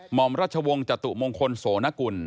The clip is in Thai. หมอมรัชวงศ์จตุมงคลโสนกุล